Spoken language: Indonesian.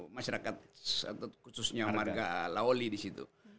masyarakat khususnya marga lawli disitu